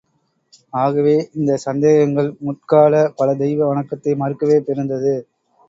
ஆகவே இந்த சந்தேகங்கள் முற்கால பல தெய்வ வணக்கத்தை மறுக்கவே பிறந்தது.